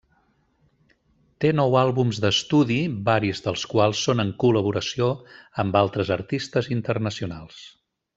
Té nou àlbums d'estudi, varis dels quals són en col·laboració amb altres artistes internacionals.